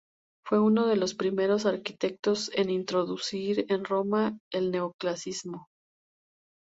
Fue uno de los primeros arquitectos en introducir en Roma el Neoclasicismo.